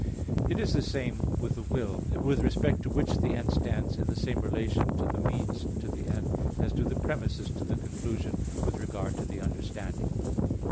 It is the same with the will, with respect to which the end stands in the same relation to the means to the end, as do the premisses to the conclusion with regard to the understanding.